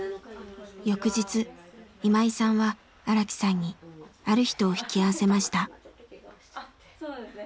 翌日今井さんは荒木さんにある人を引き合わせました。